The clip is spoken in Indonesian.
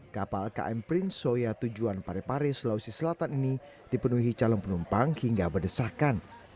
kapal km prince soya tujuan parepare sulawesi selatan ini dipenuhi calon penumpang hingga berdesakan